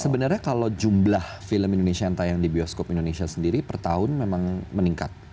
sebenarnya kalau jumlah film indonesia yang tayang di bioskop indonesia sendiri per tahun memang meningkat